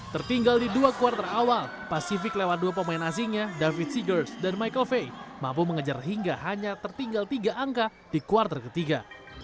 tertinggal di dua kuartal awal pasifik lewat dua pemain asingnya david seagers dan michael faye mampu mengejar hingga hanya tertinggal tiga angka di kuartal ketiga